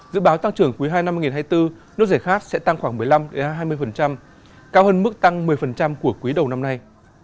dự báo tăng trưởng quý ii năm hai nghìn hai mươi bốn nước giải khát sẽ tăng khoảng một mươi năm hai mươi cao hơn mức tăng một mươi của quý đầu năm nay